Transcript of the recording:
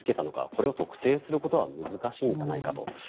これを特定することは難しいんじゃないかと。